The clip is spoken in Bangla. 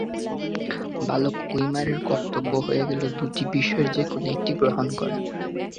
বালক উমাইরের কর্তব্য হয়ে গেল দুটি বিষয়ের যে কোন একটি গ্রহণ করা।